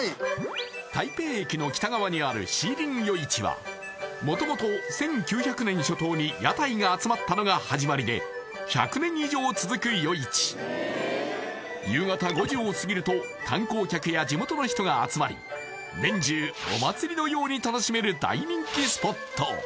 台北駅の北側にあるシーリン夜市は元々１９００年初頭に屋台が集まったのが始まりで１００年以上続く夜市夕方５時をすぎると観光客や地元の人が集まり年中お祭りのように楽しめる大人気スポット！